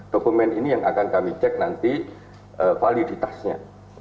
dokumen ini yang akan kami cek nanti validitasnya